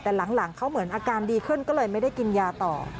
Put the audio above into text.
แต่หลังเขาเหมือนอาการดีขึ้นก็เลยไม่ได้กินยาต่อ